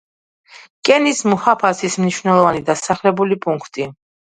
კენის მუჰაფაზის მნიშვნელოვანი დასახლებული პუნქტი.